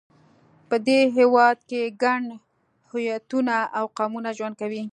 په دې هېواد کې ګڼ هویتونه او قومونه ژوند کوي.